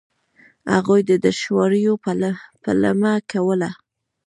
هغوی د دوشواریو پلمه کوله.